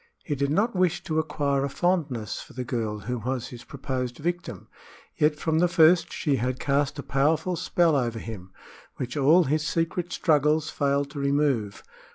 He did not wish to acquire a fondness for the girl who was his proposed victim, yet from the first she had cast a powerful spell over him, which all his secret struggles failed to remove.